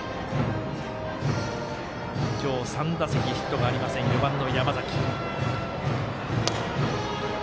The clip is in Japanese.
今日３打席ヒットがありません、４番の山崎。